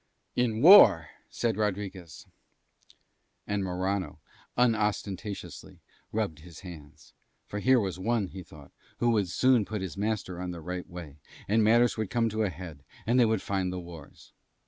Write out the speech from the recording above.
"In war," said Rodriguez. And Morano unostentatiously rubbed his hands; for here was one, he thought, who would soon put his master on the right way, and matters would come to a head and they would find the wars.